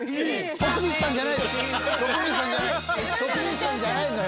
徳光さんじゃないのよ。